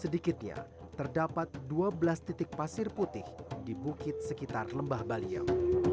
sedikitnya terdapat dua belas titik pasir putih di bukit sekitar lembah baliem